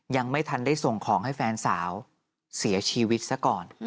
ยังไม่ทันได้ส่งของให้แฟนสาวเสียชีวิตซะก่อน